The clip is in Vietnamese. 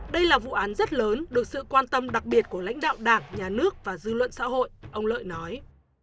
đây là vụ án rất lớn được sự quan tâm đặc biệt của lãnh đạo đảng nhà nước và dư luận xã hội ông lợi nói